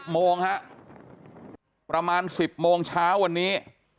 โมงฮะประมาณ๑๐โมงเช้าวันนี้